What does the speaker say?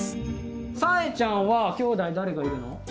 さえちゃんはきょうだい誰がいるの？